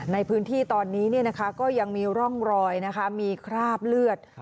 ในพื้นที่ตอนนี้ก็ยังมีร่องรอยนะคะมีคราบเลือด